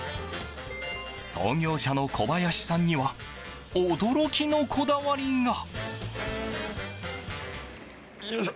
創業者の小林さんには驚きのこだわりが。